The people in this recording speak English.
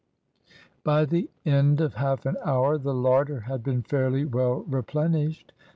By the end of half an hour the larder had been fairly well replenished.